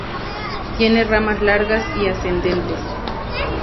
Tiene ramas largas y ascendentes.